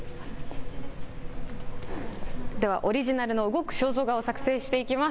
ではオリジナルの動く肖像画を作成していきます。